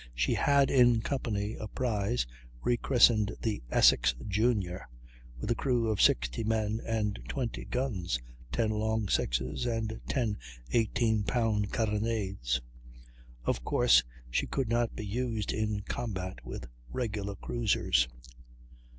She had in company a prize, re christened the Essex Junior, with a crew of 60 men, and 20 guns, 10 long sixes and 10 eighteen pound carronades. Of course she could not be used in a combat with regular cruisers.